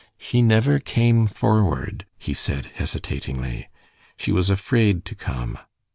"She never came forward," he said, hesitatingly. "She was afraid to come."